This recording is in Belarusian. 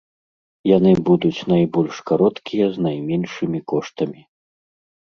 Яны будуць найбольш кароткія з найменшымі коштамі.